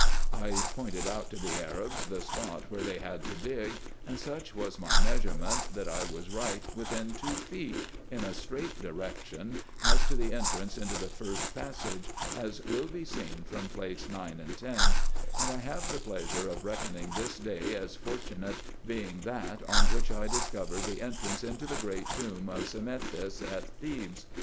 I pointed out to the Arabs the spot where they had to dig, and such was my measurement, that I was right within two feet, in a straight direction, as to the entrance into the first passage, as will be seen from Plates 9 and 10 ; and I have the pleasure of reckoning this day as fortunate, being that on which I discovered the entrance into the great tomb of Psammethis at Thebes.